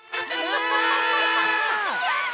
やった！